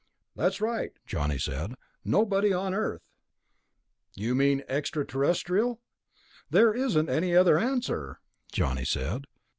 "That's right," Johnny said. "Nobody on Earth." "You mean ... extraterrestrial?" "There isn't any other answer," Johnny said.